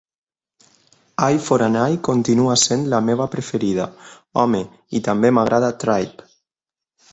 Eye For an Eye continua sent la meva preferida, home, i també m'agrada Tribe.